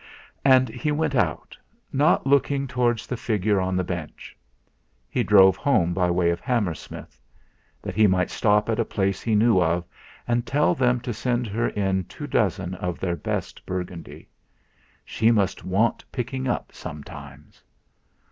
And he went out, not looking towards the figure on the bench. He drove home by way of Hammersmith; that he might stop at a place he knew of and tell them to send her in two dozen of their best Burgundy. She must want picking up sometimes!